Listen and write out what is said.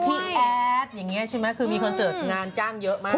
มีแอดแบบนี้ใช่ไหมมีคอนเซิร์ตงานจ้างเยอะมาก